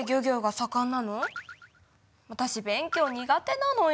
わたし勉強苦手なのよ。